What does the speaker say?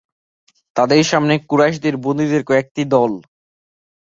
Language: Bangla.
তাদের সামনে কুরাইশের বন্দীদের কয়েকটি দল।